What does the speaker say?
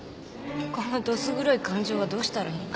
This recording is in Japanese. このどす黒い感情はどうしたらいいの？